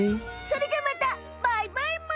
それじゃまたバイバイむ。